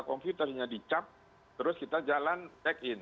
kita ke data komputer hanya dicap terus kita jalan check in